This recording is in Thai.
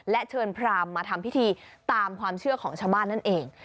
และเชิญพรามมาทำพิธีตามความเชื่อของชาวบ้านนั่นเอง